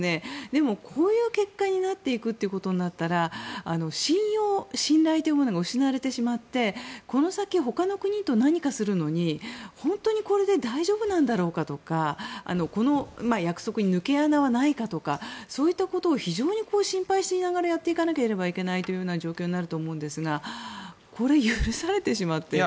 でも、こういう結果になっていくということになったら信用、信頼というものが失われてしまってこの先ほかの国と何かするのに本当にこれで大丈夫なんだろうかとかこの約束に抜け穴はないかとかそういったことを非常に心配しながらやっていかなければならない状況になると思うんですがこれ、許されてしまって。